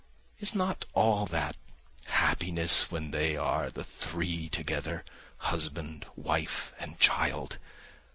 Is not all that happiness when they are the three together, husband, wife and child?